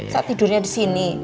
saat tidurnya di sini